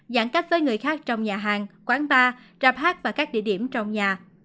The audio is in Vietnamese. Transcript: giãn cách với người khác trong nhà hàng quán bar rạp hát và các địa điểm trong nhà